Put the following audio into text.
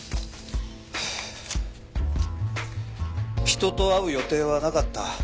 人と会う予定はなかった。